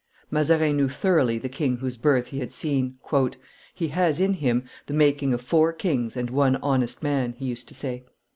Mazarin knew thoroughly the king whose birth he had seen. "He has in him the making of four kings and one honest man," he used to say.